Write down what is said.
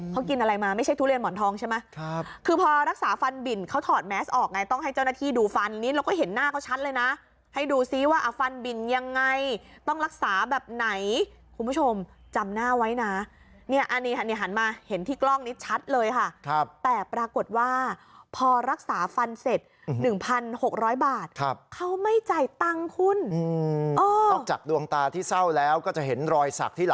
เขากินอะไรมาไม่ใช่ทุเรียนหมอนทองใช่ไหมครับคือพอรักษาฟันบิ่นเขาถอดแมสออกไงต้องให้เจ้าหน้าที่ดูฟันนี้แล้วก็เห็นหน้าก็ชัดเลยนะให้ดูซิว่าฟันบิ่นยังไงต้องรักษาแบบไหนคุณผู้ชมจำหน้าไว้นะเนี่ยอันนี้เนี่ยหันมาเห็นที่กล้องนี้ชัดเลยค่ะครับแต่ปรากฏว่าพอรักษาฟันเสร็จ๑๖๐๐บาทครับเขาไม